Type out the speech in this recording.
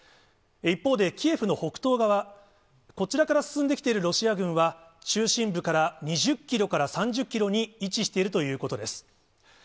一方で、キエフの北東側、こちらから進んできているロシア軍は、中心部から２０キロから３０キロに位置しているということです。